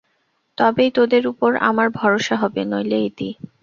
তবেই তোদের উপর আমার ভরসা হবে, নইলে ইতি।